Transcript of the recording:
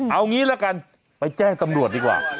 เอางี้ละกันไปแจ้งตำรวจดีกว่า